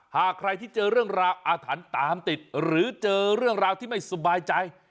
หากใครที่เจอเรื่องราวอาถรรพ์ตามติดหรือเจอเรื่องราวที่ไม่สบายใจ